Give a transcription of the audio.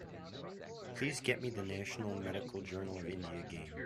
Please get me The National Medical Journal of India game.